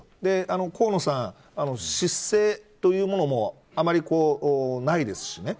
河野さん、失政というものもあまりないですしね